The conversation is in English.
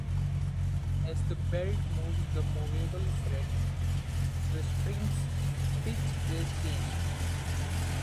As the belt moves the movable fret, the string's pitch is changed.